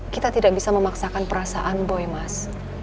kita tidak bisa memaksakan perasaan boy mas